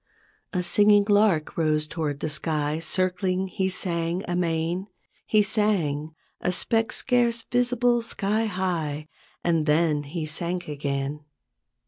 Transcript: A singing lark rose toward the sky, Circling he sang amain; He sang, a speck scarce visible sky high, And then he sank again.